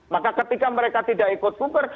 maka ketika mereka tidak ikut kuber